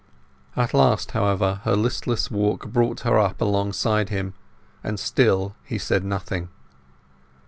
At last, however, her listless walk brought her up alongside him, and still he said nothing.